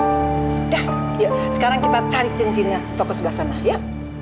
udah sekarang kita cari cincinnya toko sebelah sana ya